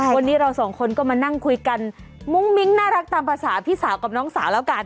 วันนี้เราสองคนก็มานั่งคุยกันมุ้งมิ้งน่ารักตามภาษาพี่สาวกับน้องสาวแล้วกัน